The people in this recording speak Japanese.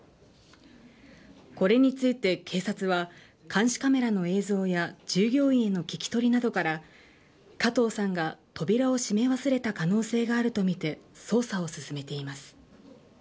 これについて、警察は監視カメラの映像や従業員への聞き取りなどから加藤さんが扉を閉め忘れた可能性があるとみて捜査を進めています。